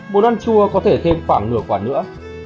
món ăn chua có thể thêm khoảng nửa quả nữa